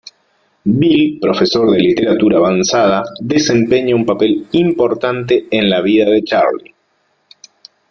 Bill, profesor de Literatura Avanzada, desempeña un papel importante en la vida de Charlie.